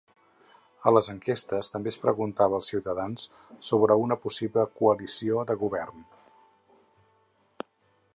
A les enquestes també es preguntava als ciutadans sobre una possible coalició de govern.